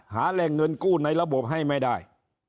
หาแหล่งเงินกู้ในระบบให้ไม่ได้